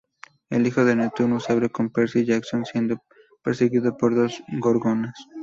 El hijo de Neptuno se abre con Percy Jackson, siendo perseguido por dos Gorgonas.